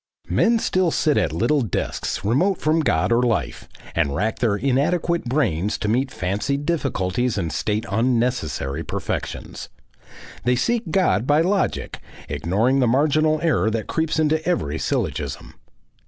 ... Men still sit at little desks remote from God or life, and rack their inadequate brains to meet fancied difficulties and state unnecessary perfections. They seek God by logic, ignoring the marginal error that creeps into every syllogism.